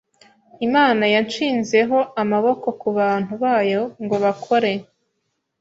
Imana yanshizeho amaboko kubantu bayo ngo bakore